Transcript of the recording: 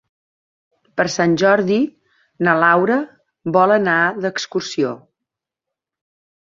Per Sant Jordi na Laura vol anar d'excursió.